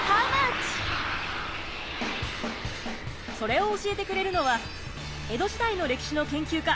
それを教えてくれるのは江戸時代の歴史の研究家